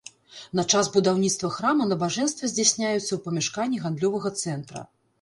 На час будаўніцтва храма набажэнствы здзяйсняюцца ў памяшканні гандлёвага цэнтра.